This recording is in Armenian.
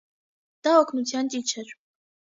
Դա օգնության ճիչ էր։